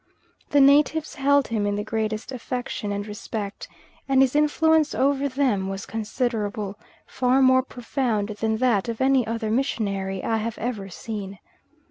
The natives held him in the greatest affection and respect, and his influence over them was considerable, far more profound than that of any other missionary I have ever seen.